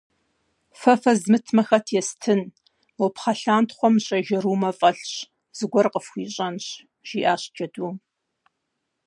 - Фэ фэзмытмэ, хэт естын: мо пхъэлъантхъуэм мыщэ жэрумэ фӏэлъщ, зыгуэр къыфхуищӏэнщ, жиӏащ джэдум.